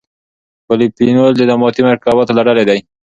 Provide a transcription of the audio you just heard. پولیفینول د نباتي مرکباتو له ډلې دي.